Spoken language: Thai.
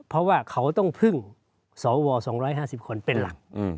เพราะว่าเขาต้องพึ่งสว๒๕๐คนเป็นหลัก